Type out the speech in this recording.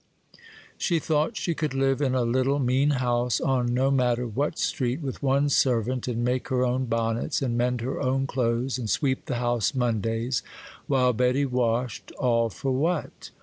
She thought she could live in a little, mean house, on no matter what street, with one servant, and make her own bonnets, and mend her own clothes, and sweep the house Mondays, while Betty washed,—all for what?